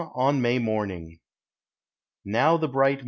ON MAY UOENTNQ. Now the bright